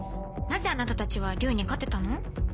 なぜあなたたちは竜に勝てたの？